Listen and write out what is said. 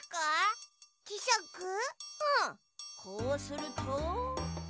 こうすると。